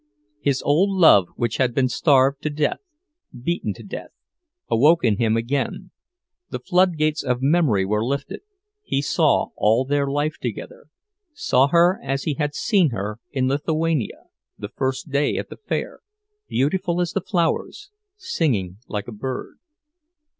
His old love, which had been starved to death, beaten to death, awoke in him again; the floodgates of memory were lifted—he saw all their life together, saw her as he had seen her in Lithuania, the first day at the fair, beautiful as the flowers, singing like a bird.